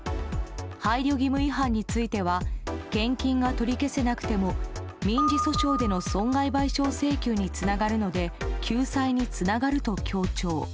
配慮義務違反については献金が取り消せなくても民事訴訟での損害賠償請求につながるので救済につながると強調。